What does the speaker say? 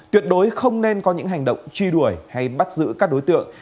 tuyệt đối không nên có những hành động truy đuổi hay bắt giữ các đối tượng